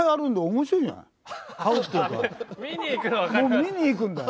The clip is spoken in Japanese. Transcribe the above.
見に行くんだよ。